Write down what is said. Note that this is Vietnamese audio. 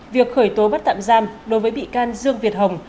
việc khởi tố bắt tạm giam đối với bị can dương việt hồng